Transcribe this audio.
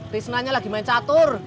tisnanya lagi main catur